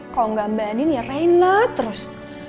kok gak ambanin ya reina terus